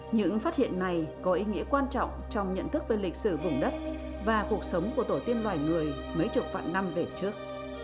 những phát hiện này có ý nghĩa quan trọng trong nhận thức về lịch sử vùng đất và cuộc sống của tổ tiên loài người mấy chục vạn năm về trước